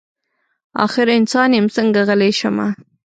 اخر انسان یم څنګه غلی شمه.